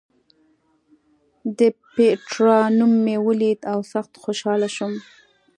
د پېټرا نوم مې ولید او سخت خوشاله شوم.